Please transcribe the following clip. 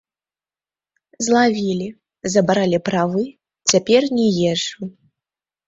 Злавілі, забралі правы, цяпер не езджу.